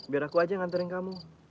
biar aku aja nganterin kamu